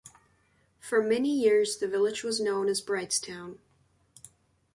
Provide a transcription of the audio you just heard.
For many years, the village was known as "Brightstown".